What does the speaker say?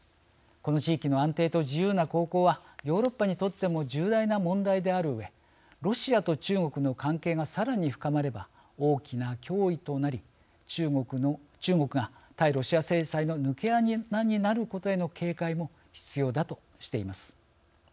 この地域の安定と自由な航行はヨーロッパにとっても重大な問題であるうえロシアと中国の関係がさらに深まれば大きな脅威となり中国が対ロシア制裁の抜け穴になることへの警戒も必要だとしています。